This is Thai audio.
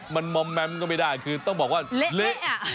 มันมอมแมมก็ไม่ได้คือต้องบอกว่าเละเท่หรือครับ